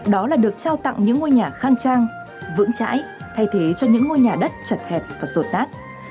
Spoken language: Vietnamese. đó là được trao tặng những ngôi nhà khang trang vững chãi thay thế cho những ngôi nhà đất chật hẹp và rột nát